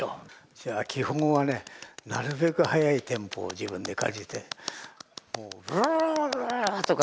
じゃあ基本はねなるべく速いテンポを自分で感じてもうブルルルルとか。